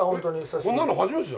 こんなの初めてじゃないか？